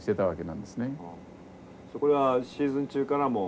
それはシーズン中からもう。